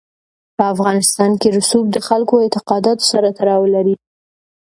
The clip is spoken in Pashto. په افغانستان کې رسوب د خلکو اعتقاداتو سره تړاو لري.